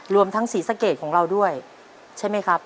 รวมทั้งศรีสะเกดของเราด้วยใช่ไหมครับ